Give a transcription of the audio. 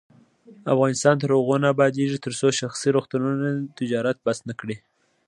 افغانستان تر هغو نه ابادیږي، ترڅو شخصي روغتونونه تجارت بس نکړي.